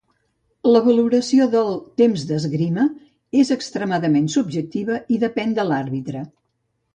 La valoració del "temps d'esgrima" és extremadament subjectiva i depèn de l'àrbitre.